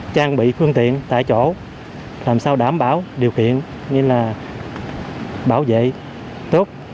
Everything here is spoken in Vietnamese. trang bị phương tiện tại chỗ làm sao đảm bảo điều kiện như là bảo vệ tốt